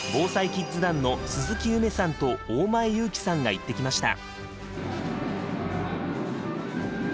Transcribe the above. キッズ団の鈴木夢さんと大前優樹さんが行ってきました。